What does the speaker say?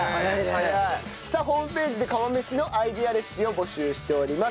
さあホームページで釜飯のアイデアレシピを募集しております。